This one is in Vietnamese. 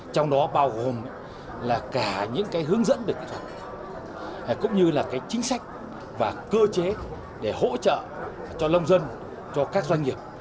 trong đó bao gồm là cả những hướng dẫn cũng như là chính sách và cơ chế để hỗ trợ cho lông dân cho các doanh nghiệp